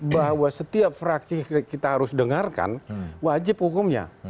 bahwa setiap fraksi kita harus dengarkan wajib hukumnya